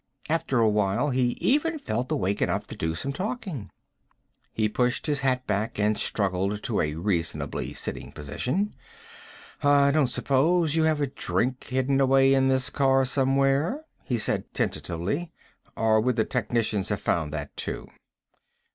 After a while, he even felt awake enough to do some talking. He pushed his hat back and struggled to a reasonable sitting position. "I don't suppose you have a drink hidden away in the car somewhere?" he said tentatively. "Or would the technicians have found that, too?"